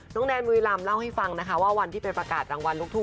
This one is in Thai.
แนนบุรีรำเล่าให้ฟังนะคะว่าวันที่ไปประกาศรางวัลลูกทุ่ง